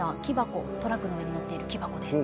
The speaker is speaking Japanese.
トラックの上に載っている木箱です。